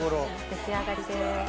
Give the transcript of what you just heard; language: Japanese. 出来上がりです。